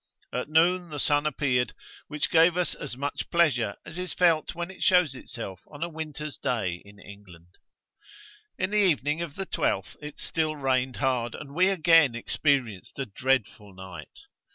At noon the sun appeared, which gave us as much pleasure as is felt when it shows itself on a winter's day in England. 'In the evening of the 12th it still rained hard, and we again experienced a dreadful night.